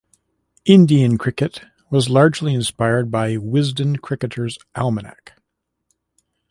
"Indian Cricket" was largely inspired by "Wisden Cricketers' Almanack".